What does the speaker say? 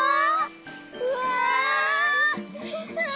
うわ！